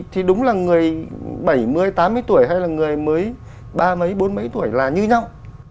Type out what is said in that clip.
thì đúng là người bảy mươi tám mươi tuổi hay là người mới ba mấy bốn mấy tuổi là như nhau